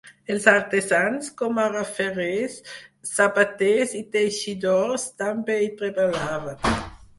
Els artesans, com ara ferrers, sabaters i teixidors també hi treballaven.